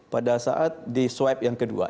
pada saat di swab yang kedua